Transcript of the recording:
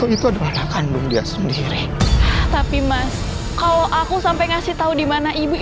itu adalah kandung dia sendiri tapi mas kalau aku sampai ngasih tahu dimana ibu